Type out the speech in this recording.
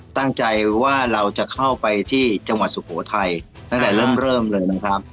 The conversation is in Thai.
ตั้งใจว่าเราจะเข้าไปที่จังหวัดสุโขทัยตั้งแต่เริ่มเริ่มเลยนะครับ